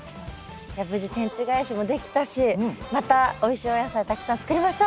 無事天地返しもできたしまたおいしいお野菜たくさん作りましょう！